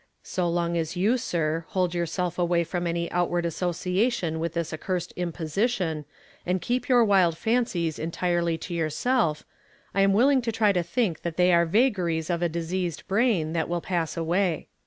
So long as you, sir, hold youi self away from any outward association with this accursed imposition, and keep your wild fancies entirely to yourself, I am willing to try to think that tl)oy are vagaries of a diseased brain that will inwa away.